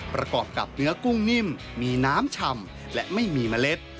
ประกอบกับเนื้อกุ้งนิ่มมีน้ำชำและไม่มีเมล็ด